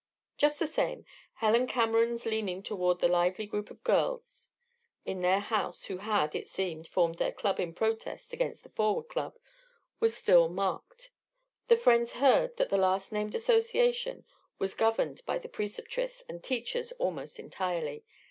Just the same, Helen Cameron's leaning toward the lively group or girls in their house who had (it seemed) formed their club in protest against the Forward Club, was still marked. The friends heard that the last named association was governed by the Preceptress and teachers almost entirely.